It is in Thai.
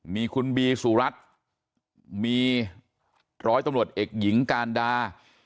มีคุณบีสุรัตน์มีร้อยตำรวจเอกหญิงการดา